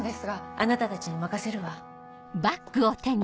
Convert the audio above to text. あなたたちに任せるわ。